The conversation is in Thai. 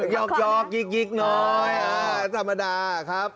ยอกยอกยิกยิกน้อยอ่าธรรมดาครับ